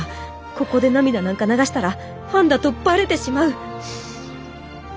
ここで涙なんか流したらファンだとバレてしまう！